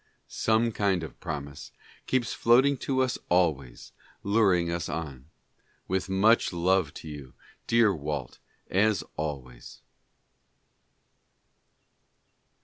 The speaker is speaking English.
Some kind of promise keeps floating to us always, luring us on. With much love to you, dear Walt, as always.